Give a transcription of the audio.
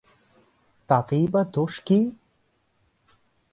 তাতেই বা দোষ কী?